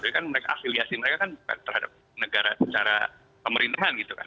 tapi kan mereka afiliasi mereka kan bukan terhadap negara secara pemerintahan gitu kan